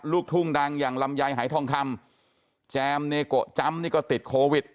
ลูกทุ่งดังอย่างลำไยหายทองคำแจมเนโกะจำนี่ก็ติดโควิด